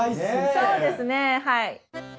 そうですねはい。